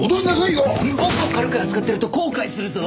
僕を軽く扱ってると後悔するぞ！